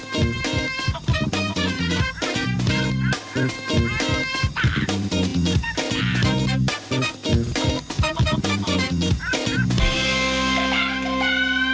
ข้อมูลล่ะ